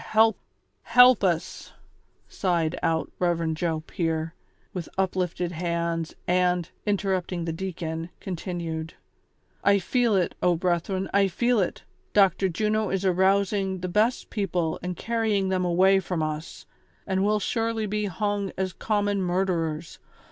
help, help us !" sighed out Rev. Joe Pier, with uplifted hands, and, interrupting the deacon, continued :" I feel it, O brethren, I feel it ; Dr. Juno, Dr. Juno is arousing the best people and carrying them away THE CONSPIRATORS AND LOVERS. 159 from us, and we'll surely be liung as common murderers.